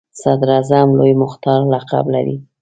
صدراعظم لوی مختار لقب لري.